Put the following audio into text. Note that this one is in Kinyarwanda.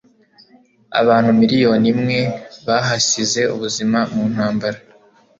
Abantu miliyoni imwe bahasize ubuzima mu ntambara